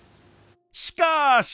しかし！